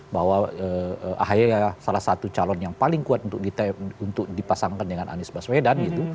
bahwa ahy salah satu calon yang paling kuat untuk dipasangkan dengan anies baswedan gitu